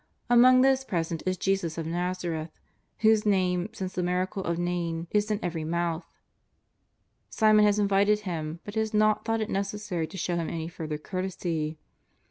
Among those present is Jesus of ^N^azareth, whose Name since the miracle of Kain is in every mouth. Simon has invited Him, but has not thought it neces sary to show Him any further courtesy.